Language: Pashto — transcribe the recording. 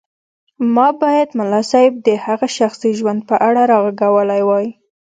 ما بايد ملا صيب د هغه شخصي ژوند په اړه راغږولی وای.